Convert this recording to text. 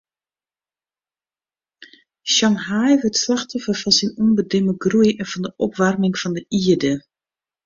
Shanghai wurdt slachtoffer fan syn ûnbedimme groei en fan de opwaarming fan de ierde.